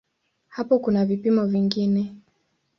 Hapo kuna vipimo vingine.